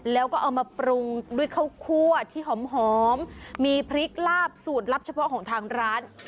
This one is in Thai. แล้วก็เอามาปรุงด้วยข้าวคั่วที่หอมมีพริกลาบสูตรลับเฉพาะของทางร้าน